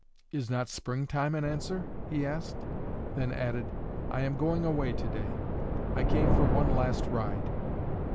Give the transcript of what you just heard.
"Is not springtime an answer?" he asked, then added: "I am going away to day. I came for one last ride."